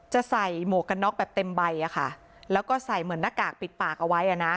จะใส่หมวกกันน็อกแบบเต็มใบอ่ะค่ะแล้วก็ใส่เหมือนหน้ากากปิดปากเอาไว้อ่ะนะ